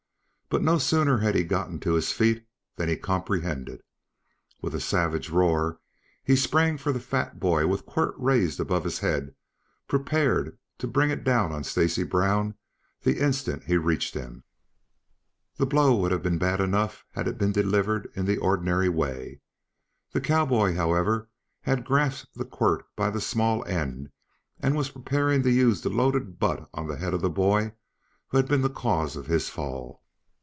But no sooner had he gotten to his feet than he comprehended. With a savage roar he sprang for the fat boy with quirt raised above his head, prepared to bring it down on Stacy Brown the instant he reached him. The blow would have been bad enough had it been delivered in the ordinary way. The cowboy, however, had gasped the quirt by the small end and was preparing to use the loaded butt on the head of the boy who had been the cause of his fall.